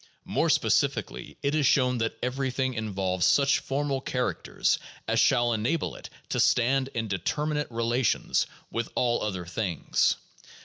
More specifically, it is shown that everything involves such formal characters as shall enable it to stand in determinate relations with all other things.